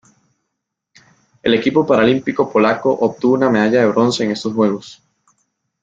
El equipo paralímpico polaco obtuvo una medalla de bronce en estos Juegos.